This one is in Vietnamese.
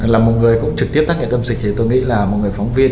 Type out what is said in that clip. là một người cũng trực tiếp tác nghệ tâm dịch thì tôi nghĩ là một người phóng viên